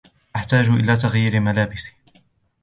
أحتاج إلى تغيير الملابس.